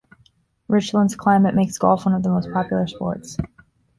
Richland's climate makes golf one of the most popular sports.